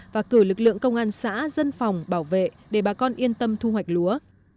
và cử lực lượng công an xã dân phòng bảo vệ để bà con yên tâm thu hoạch lúa